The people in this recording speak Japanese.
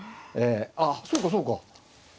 ああそうかそうか。